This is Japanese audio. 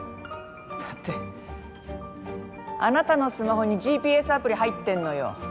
だってあなたのスマホにＧＰＳアプリ入ってんのよ。